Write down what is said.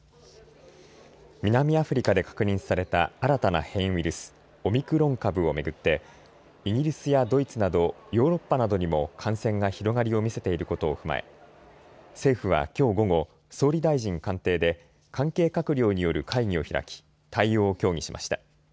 南アフリカで確認された新たな変異ウイルス、オミクロン株を巡ってイギリスやドイツなどヨーロッパなどにも感染が広がりを見せていることを踏まえ政府はきょう午後、総理大臣官邸で関係閣僚による会議を開き対応を協議しました。